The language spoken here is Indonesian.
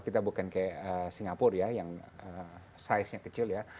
kita bukan kayak singapura ya yang size nya kecil ya